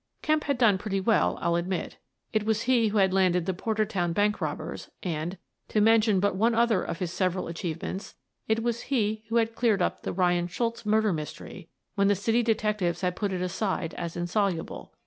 Kemp had done pretty well, I'll admit. It was he who had landed the Portertown bank robbers and — to mention but one other of his several achievements — it was he who had cleared up the Ryan Schultz murder mystery, when the city de tectives had put it aside as insoluble.